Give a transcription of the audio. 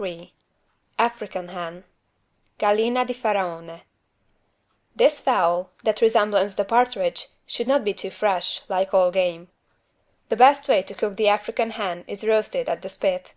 143 AFRICAN HEN (Gallina di Faraone) This fowl, that resembles the partridge, should not be too fresh, like all game. The best way to cook the African hen is roasted at the spit.